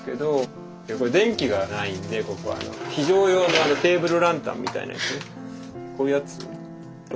電気がないんでここは非常用のテーブルランタンみたいなやつこういうやつ